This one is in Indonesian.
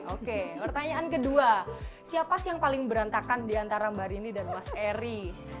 oke pertanyaan kedua siapa sih yang paling berantakan diantara mbak rini dan mas eri